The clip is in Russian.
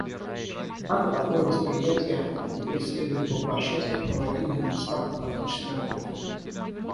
Однако такое восприятие теперь следует воплощать в проводимой на местах практической работе.